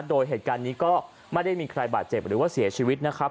โดยเหตุการณ์นี้ไม่มีใครบัตรเจ็บหรือเสียชีวิตนะครับ